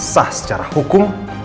sah secara hukum